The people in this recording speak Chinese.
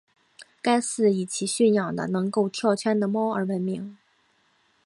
该寺以其训养的能够跳圈的猫而闻名。